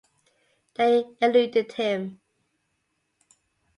They eluded him.